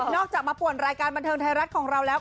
จากมาป่วนรายการบันเทิงไทยรัฐของเราแล้ว